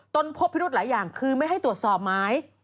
พบพิรุธหลายอย่างคือไม่ให้ตรวจสอบหมาย